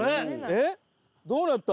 えっどうなった？